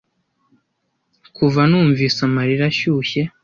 kuva numvise amarira ashyushye